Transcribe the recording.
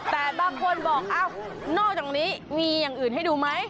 แต่บางคนบอกนอกจากนี้มีอย่างอื่นให้ดูไหม